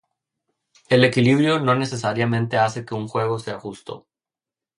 El equilibrio no necesariamente hace que un juego sea justo.